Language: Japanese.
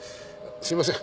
すいません。